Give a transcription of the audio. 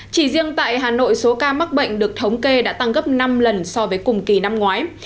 chỉ riêng tại hà nội số ca mắc bệnh được thống kê đã tăng gấp năm lần so với cùng kỳ năm ngoái